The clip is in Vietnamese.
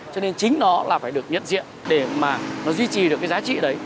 cho nên chính nó là phải được nhận diện để mà nó duy trì được cái giá trị đấy